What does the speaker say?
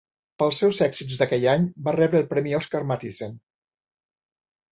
Pels seus èxits d'aquell any, va rebre el premi Oscar Mathisen.